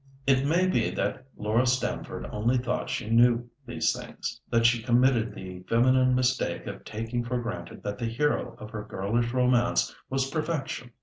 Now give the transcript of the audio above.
It may be that Laura Stamford only thought she knew these things, that she committed the feminine mistake of taking for granted that the hero of her girlish romance was perfection.